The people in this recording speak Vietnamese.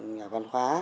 nhà văn hóa